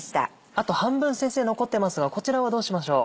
あと半分先生残ってますがこちらはどうしましょう？